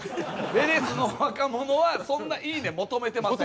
ヴェレスの若者はそんな「いいね」求めてません。